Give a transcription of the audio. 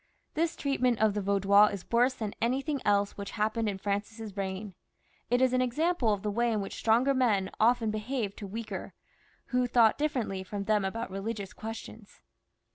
This treatment of the Vaudois is worse than anything else which happened in Francis's reign. It is an example of the way in which stronger men often behaved to weaker, who thought differently from them about religious questions.